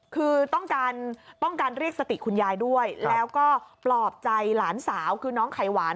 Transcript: คือต้องการต้องการเรียกสติคุณยายด้วยแล้วก็ปลอบใจหลานสาวคือน้องไขหวาน